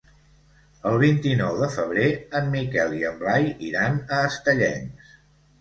El vint-i-nou de febrer en Miquel i en Blai iran a Estellencs.